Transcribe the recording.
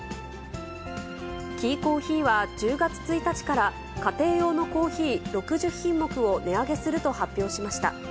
キーコーヒーは、１０月１日から、家庭用のコーヒー６０品目を値上げすると発表しました。